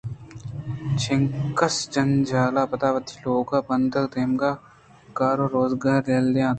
چینکس جنجالءَ پد وتی لوگ ءُہندءُدمگءِ کارءُروزگار یلہ دنت